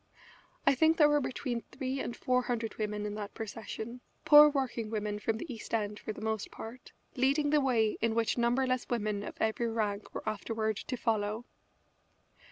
I think there were between three and four hundred women in that procession, poor working women from the East End, for the most part, leading the way in which numberless women of every rank were afterward to follow.